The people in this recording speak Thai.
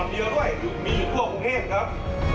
เดี๋ยวผมจะจับผมเรียบนะครับ